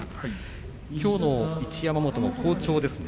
きょうの一山本、好調ですよね。